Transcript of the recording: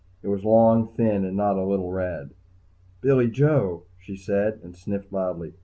It was long, thin, and not a little red. "Billy Joe!" she said, and sniffled loudly.